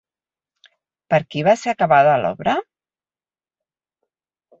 Per qui va ser acabada l'obra?